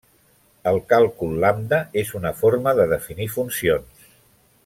El Càlcul lambda és una forma de definir funcions.